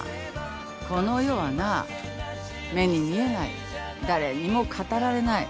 この世はな目に見えない誰にも語られない